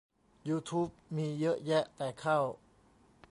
ยูทูบมีเยอะแยะ แต่เข้า